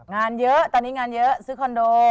งานเยอะตอนนี้งานเยอะซื้อคอนโด